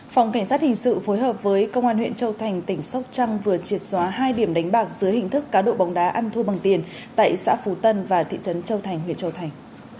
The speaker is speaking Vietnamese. phòng cảnh sát hình sự phối hợp với công an huyện châu thành tỉnh sóc trăng vừa triệt xóa hai điểm đánh bạc dưới hình thức cá độ bóng đá ăn thua bằng tiền tại xã phú tân và thị trấn châu thành huyện châu thành